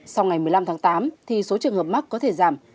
sau ngày một mươi năm tháng tám thì số trường hợp mắc có thể giảm